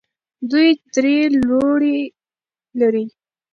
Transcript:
دوی درې لوڼې لري.